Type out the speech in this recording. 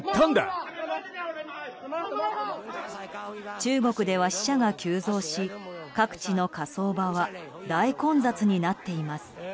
中国では死者が急増し各地の火葬場は大混雑になっています。